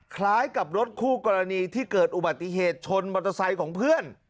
คล้ายกับรถคู่กรณีที่เกิดอุบัติเหตุชนมอเตอร์ไซค์ของเพื่อน